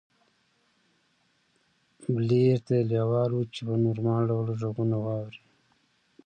بلییر دې ته لېوال و چې په نورمال ډول غږونه واوري